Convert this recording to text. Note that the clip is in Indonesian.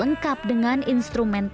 aku akan berubah